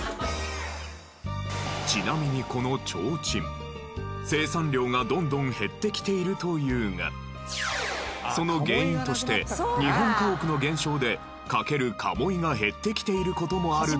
ちなみにこのちょうちん生産量がどんどん減ってきているというがその原因として日本家屋の減少でかける鴨居が減ってきている事もあるという。